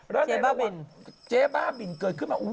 แล้วเจ๊บ้าบินเกิดขึ้นมา